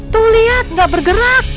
tuh liat gak bergerak